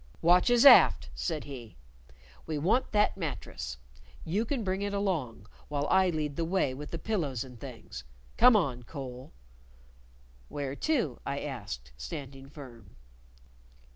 "Watches aft!" said he. "We want that mattress; you can bring it along, while I lead the way with the pillows and things. Come on, Cole!" "Where to?" I asked, standing firm.